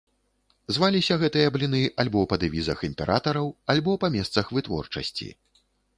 Зваліся гэтыя бліны альбо па дэвізах імператараў, альбо па месцах вытворчасці.